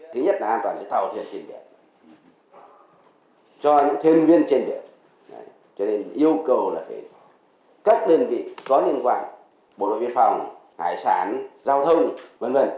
cho nên yêu cầu là các đơn vị có liên quan bộ đội viên phòng hải sản giao thông v v